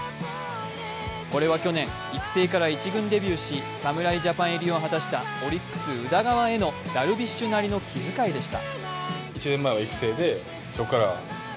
これは去年育成から１軍デビューし侍ジャパン入りを目指したオリックス・宇田川へのダルビッシュなりの気遣いでした。